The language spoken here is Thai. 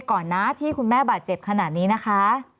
ก่อนนะที่คุณแม่บาดเจ็บขนาดนี้นะคะ